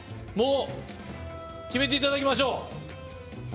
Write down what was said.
もう決めていただきましょう。